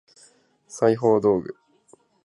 裁縫道具